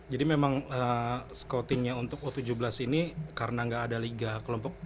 jadi memang scoutingnya untuk u tujuh belas ini karena gak ada liga kelompok umur